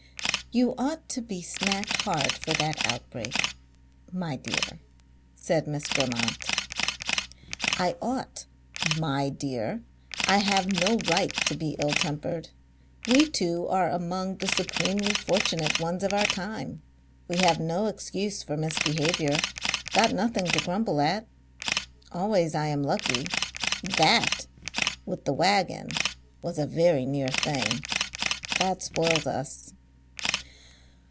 "You ought to be smacked hard for that outbreak, my dear," said Miss Grammont. "I ought MY dear. I have no right to be ill tempered. We two are among the supremely fortunate ones of our time. We have no excuse for misbehaviour. Got nothing to grumble at. Always I am lucky. THAT with the waggon was a very near thing. God spoils us.